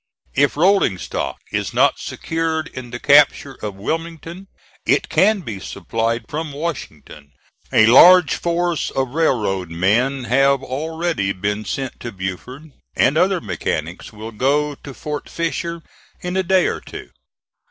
"If rolling stock is not secured in the capture of Wilmington, it can be supplied from Washington. A large force of railroad men have already been sent to Beaufort, and other mechanics will go to Fort Fisher in a day or two.